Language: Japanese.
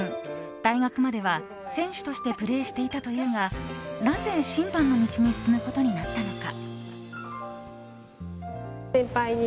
大学までは選手としてプレーしていたというがなぜ、審判の道に進むことになったのか。